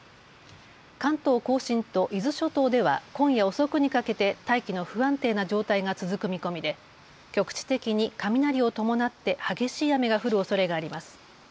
関東甲信と伊豆諸島では今夜遅くにかけて大気の不安定な状態が続く見込みで局地的に雷を伴って激しい雨が降るおそれがあります。